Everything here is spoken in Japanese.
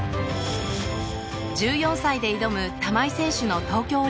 １４歳で挑む玉井選手の東京オリンピック。